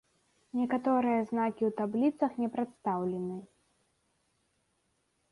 Некаторыя знакі ў табліцах не прадстаўлены.